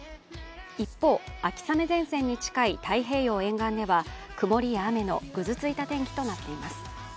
一方、秋雨前線に近い太平洋沿岸では曇りや雨のぐずついた天気となっています。